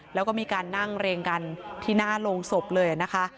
แล้วก็มีการนั่งเรงกันที่หน้าโรงศพเลยนะคะ